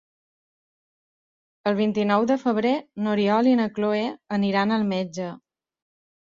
El vint-i-nou de febrer n'Oriol i na Cloè aniran al metge.